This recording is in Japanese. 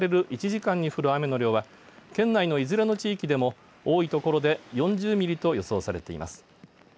１時間に降る雨の量は県内のいずれの地域でも多い所で４０ミリと予想されています。